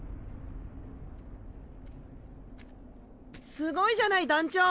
すごいじゃない団長。